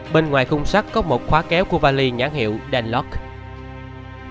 bên ngoài khung sắt có một khóa kéo của vali nhãn hiệu danlot